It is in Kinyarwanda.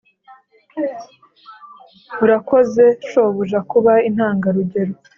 urakoze shobuja… kuba intangarugero.